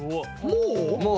もう。